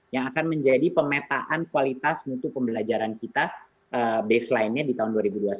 yang akan menjadi pemetaan kualitas mutu pembelajaran kita baseline nya di tahun dua ribu dua puluh satu